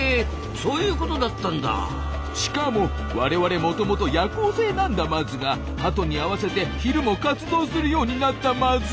しかも我々もともと夜行性なんだマズがハトに合わせて昼も活動するようになったマズ。